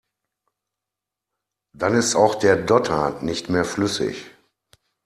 Dann ist auch der Dotter nicht mehr flüssig.